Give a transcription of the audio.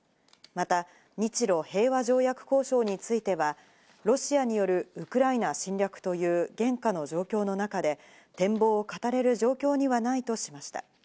また日露平和条約交渉については、ロシアによるウクライナ侵略という現下の状況の中で展望を語れる状況にはないとしました。